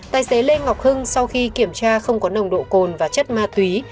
tài xế lê ngọc hưng sau khi kiểm tra không có nồng độ cồn và chất ma túy